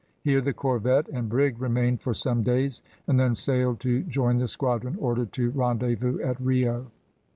Here the corvette and brig remained for some days, and then sailed to join the squadron ordered to rendezvous at Rio.